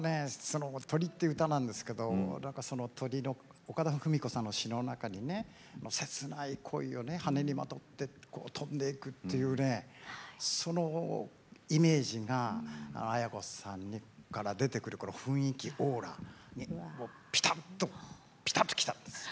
その「鳥」っていう歌なんですけどその「鳥」の岡田冨美子さんの詞の中にね切ない恋をね羽にまとって飛んでいくっていうねそのイメージがあや子さんから出てくるこの雰囲気オーラにぴたっとぴたっときたんです。